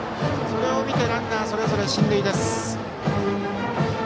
それを見てランナーがそれぞれ進塁しました。